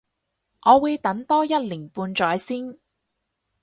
我會等多一年半載先